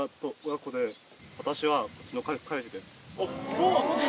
そうなんですか。